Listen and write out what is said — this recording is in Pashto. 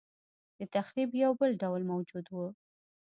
دتخریب یو بل ډول موجود و.